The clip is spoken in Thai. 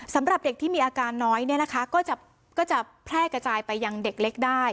สำหรับเด็กที่มีอาการน้อยเนี่ยนะคะก็จะแพร่กระจายไปยังเด็กเล็กได้